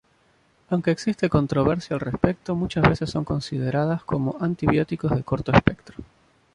Aunque existe controversia al respecto, muchas veces son consideradas como antibióticos de corto espectro.